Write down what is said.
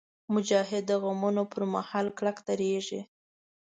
مجاهد د غمونو پر مهال کلک درېږي.